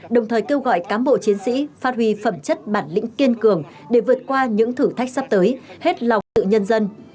đồng thời kêu gọi cán bộ chiến sĩ phát huy phẩm chất bản lĩnh kiên cường để vượt qua những thử thách sắp tới hết lòng tự nhân dân